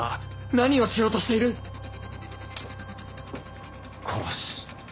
何をしようとしている？殺し。